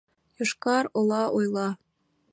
Йошкар-Ола ойла...